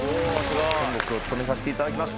孫悟空を務めさせていただきます。